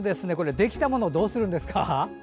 できたもの、どうするんですか？